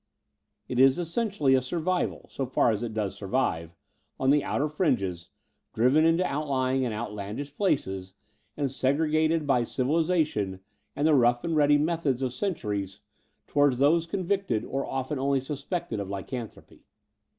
It is essentially a sur vival, so far as it does survive, on the outer fringes, driven into outlying and outlandish places, and 192 The Door off the Unreal segregated by civilization and the rough and ready methods of centuries towards those convicted or often only suspected of lycanthropy.